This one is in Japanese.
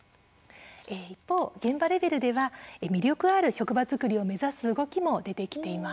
一方、現場レベルでは魅力ある職場作りを目指す動きも出てきています。